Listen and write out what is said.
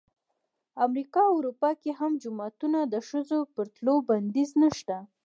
امریکا او اروپا کې هم جومات ته د ښځو پر تلو بندیز نه شته.